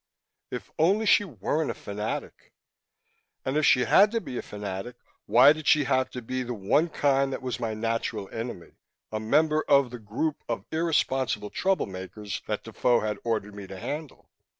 It only she weren't a fanatic. And if she had to be a fanatic, why did she have to be the one kind that was my natural enemy, a member of the group of irresponsible troublemakers that Defoe had ordered me to "handle"?